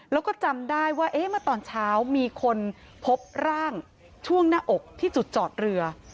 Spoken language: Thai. แล้วก็จำได้ว่าเมื่อตอนเช้ามีคนพบร่างช่วงหน้าอกที่จุดจอดเรือ